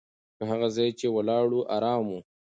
هغه ځای چې ولاړو، ارام و.